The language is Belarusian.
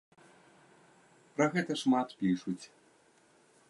Пра гэта шмат пішуць.